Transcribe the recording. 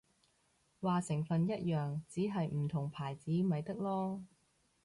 話成分一樣，只係唔同牌子咪得囉